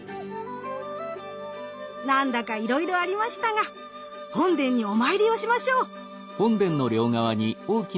何だかいろいろありましたが本殿にお参りをしましょう。